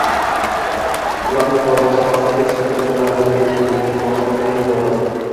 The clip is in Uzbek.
ularning faoliyati sohasiga nisbatan qo‘llaniladigan belgilangan ma’lumotlarni yuboradi;